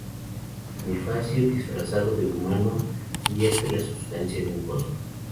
Bonifacio, disfrazado de humano, vierte la sustancia en un pozo.